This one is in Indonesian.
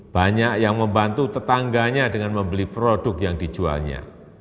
banyak yang membantu tetangganya dengan membeli produk yang dijualnya